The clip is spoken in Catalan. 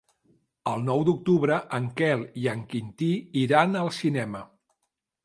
El nou d'octubre en Quel i en Quintí iran al cinema.